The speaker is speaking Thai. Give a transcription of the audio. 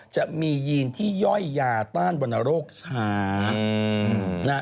จะมียีนที่ย่อยยาต้านวรรณโรคช้า